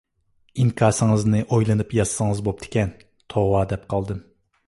ئىنكاسىڭىزنى ئويلىنىپ يازسىڭىز بوپتىكەن، توۋا دەپ قالدىم.